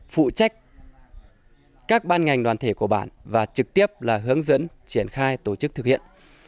phụ trách các ban ngành đoàn thể của bản và trực tiếp là hướng dẫn triển khai tổ chức thực hiện